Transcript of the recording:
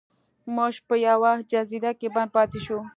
موږ په یوه جزیره کې بند پاتې شو.